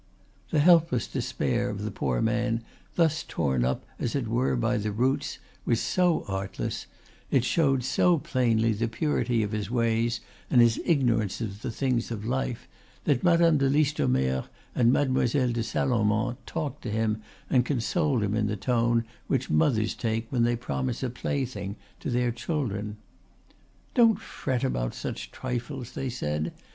The helpless despair of the poor man thus torn up as it were by the roots was so artless, it showed so plainly the purity of his ways and his ignorance of the things of life, that Madame de Listomere and Mademoiselle de Salomon talked to him and consoled him in the tone which mothers take when they promise a plaything to their children. "Don't fret about such trifles," they said.